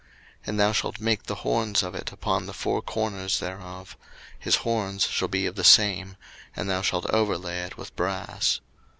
02:027:002 And thou shalt make the horns of it upon the four corners thereof: his horns shall be of the same: and thou shalt overlay it with brass.